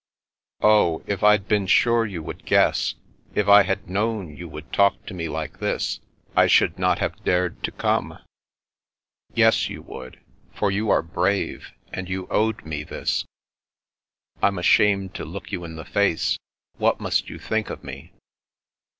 "Oh, if I'd been sure you would guess — ^if I had known you would talk to me like this, I should not have dared to come." I The Boy's Sister 363 " Yes, you would. For you are brave; and you owed me this." "I'm ashamed to look you in the face. What must you think of me